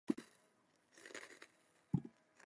The side wing is also used as office space.